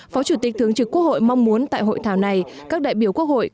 phó chủ tịch thường trực quốc hội mong muốn tại hội thảo này các đại biểu quốc hội